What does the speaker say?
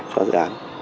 cho dự án